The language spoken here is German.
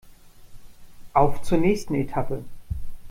Auf zur nächsten Etappe!